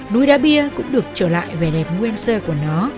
núi đá bia cũng được trở lại vẻ đẹp nguyên sơ của nó